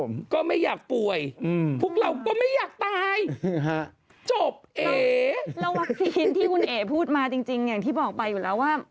แล้ววัคซีนที่คุณเอ๋พูดมาจริงอย่างที่บอกไปอยู่แล้วว่า